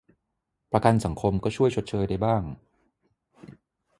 ประกันสังคมก็ช่วยชดเชยได้บ้าง